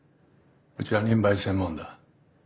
うちは任売専門だ。